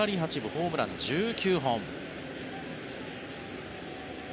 ホームラン１９本。